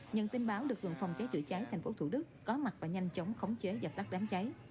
nhận tin báo lực lượng phòng cháy chữa cháy tp thủ đức có mặt và nhanh chóng khống chế dập tắt đám cháy